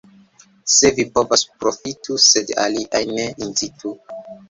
Se vi povas, profitu, sed aliajn ne incitu.